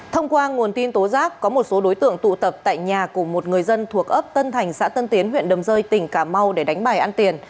thông qua nguồn tin tố giác có một số đối tượng tụ tập tại nhà của một người dân thuộc ấp tân thành xã tân tiến huyện đầm rơi tỉnh cà mau để đánh bài ăn tiền